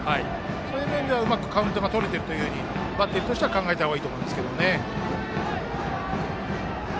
そういう面ではうまくカウントがとれているというふうにバッテリーとしては考えた方がいいですね。